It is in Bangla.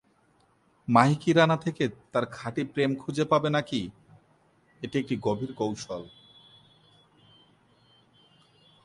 মাহি কি রানা থেকে তার খাঁটি প্রেম খুঁজে পাবে নাকি এটি একটি গভীর কৌশল?